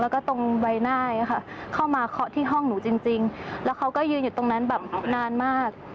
เข้ามาเชิญเข้าที่ห้องหนูจริงแล้วเขาก็ยืนอยู่ตรงนั้นนานมาก